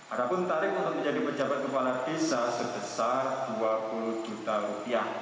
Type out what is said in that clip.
adapun tarik untuk menjadi pejabat kepala desa sebesar dua puluh juta rupiah